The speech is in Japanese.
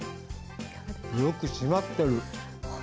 よく締まってる！